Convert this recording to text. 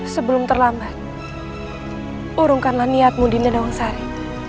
sebelum terlambat urungkanlah niatmu dinda daungsari